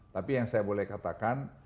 tapi yang saya boleh katakan